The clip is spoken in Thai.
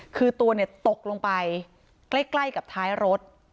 คือตัวเนี่ยตกลงไปใกล้กับท้ายรถ